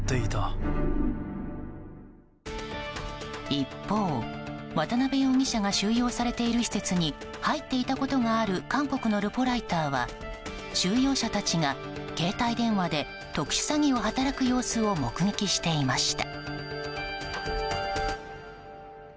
一方、渡邉容疑者が収容されている施設に入っていたことがある韓国のルポライターは収容者たちが携帯電話で特殊詐欺を働く様子を目撃していました。